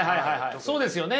そうですよね。